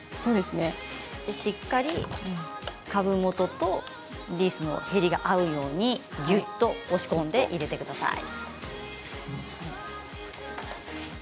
しっかり株元とリースのへりが合うようにぎゅっと押し込んで入れてください。